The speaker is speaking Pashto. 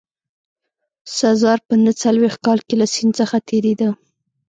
سزار په نه څلوېښت کال کې له سیند څخه تېرېده.